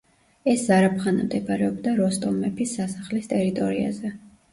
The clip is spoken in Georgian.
ეს ზარაფხანა მდებარეობდა როსტომ მეფის სასახლის ტერიტორიაზე.